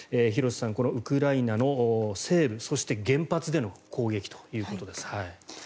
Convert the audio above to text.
廣瀬さん、このウクライナの西部そして原発での攻撃ということです。